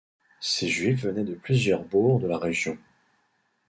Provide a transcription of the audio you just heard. Ces Juifs venaient de plusieurs bourgs de la région.